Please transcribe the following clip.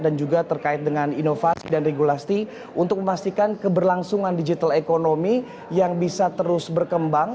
dan juga terkait dengan inovasi dan regulasi untuk memastikan keberlangsungan digital ekonomi yang bisa terus berkembang